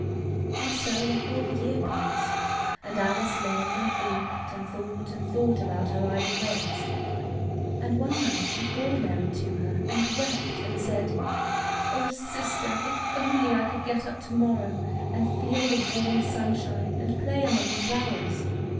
And so a whole year passed, and Alice lay and thought, and thought, and thought about her idle ways. And one night she called Mary to her, and wept and said: "Oh, sister, if only I could get up to morrow, and feel the warm sunshine and play among the flowers!